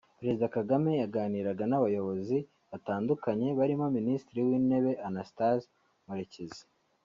Perezida Kagame yaganiraga n’abayobozi batandukanye barimo Minisitiri w’Intebe Anastase Murekezi